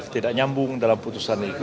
tidak nyambung dalam putusan itu